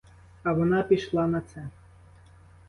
А вона пішла на це.